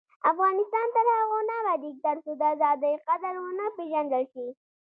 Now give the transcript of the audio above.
افغانستان تر هغو نه ابادیږي، ترڅو د ازادۍ قدر ونه پیژندل شي.